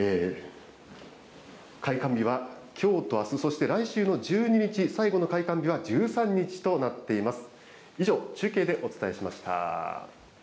開館日はきょうとあす、そして来週の１２日、最後の開館日は１３日となっています。